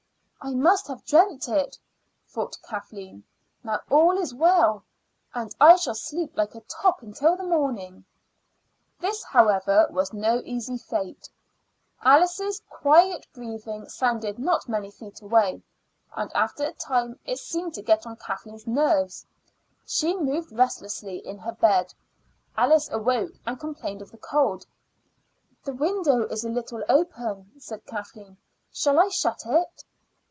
"I must have dreamt it," thought Kathleen. "Now all is well, and I shall sleep like a top until the morning." This, however, was no easy feat. Alice's quiet breathing sounded not many feet away, and after a time it seemed to get on Kathleen's nerves. She moved restlessly in her bed. Alice awoke, and complained of the cold. "The window is a little open," said Kathleen. "Shall I shut it?"